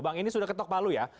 bang ini sudah ketok palu ya